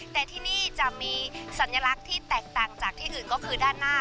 แต่ที่นี่จะมีสัญลักษณ์ที่แตกต่างจากที่อื่นก็คือด้านหน้า